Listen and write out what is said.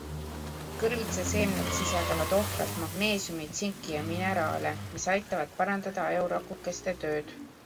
Kõrvitsaseemned sisaldavad ohtralt magneesiumi, tsinki ja mineraale, mis aitavad parandada ajurakukeste tööd.